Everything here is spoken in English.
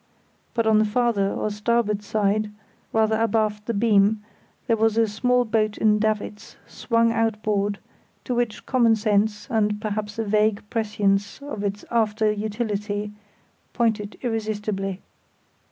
But on the farther or starboard side, rather abaft the beam, there was a small boat in davits, swung outboard, to which common sense, and perhaps a vague prescience of its after utility, pointed irresistibly.